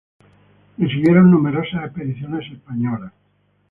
Le siguieron numerosas expediciones españolas.